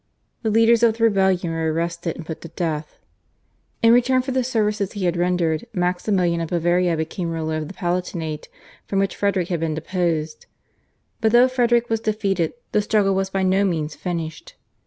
The leaders of the rebellion were arrested and put to death. In return for the services he had rendered Maximilian of Bavaria became ruler of the Palatinate, from which Frederick had been deposed. But though Frederick was defeated the struggle was by no means finished.